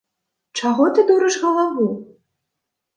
Чаго ты дурыш галаву?